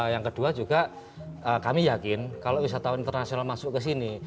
yang kedua juga kami yakin kalau wisatawan internasional masuk ke sini